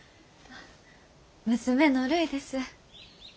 娘のるいです。